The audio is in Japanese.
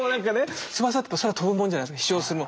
翼って空飛ぶもんじゃないですか飛翔するもん。